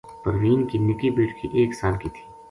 پروین کی نِکی بیٹکی ایک سال کی تھی